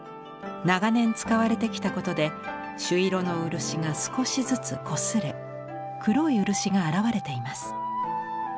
長年使われてきたことで朱色の漆が少しずつこすれ黒い漆が現れています。